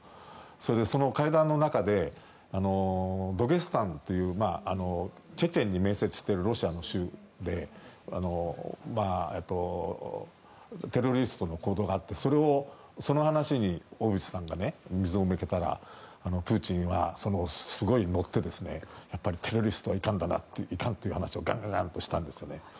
それで、その会談の中でドゲスタンというチェチェンに面しているロシアの州でテロリストの坑道があってその話に小渕さんが水を向けたらプーチンはすごい乗ってテロリストがいたという話をガンガンしたんですよね。